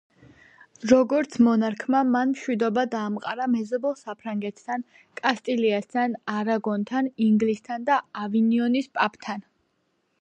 როგორც მონარქმა, მან მშვიდობა დაამყარა მეზობელ საფრანგეთთან, კასტილიასთან, არაგონთან, ინგლისთან და ავინიონის პაპთან.